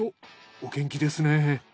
お元気ですね。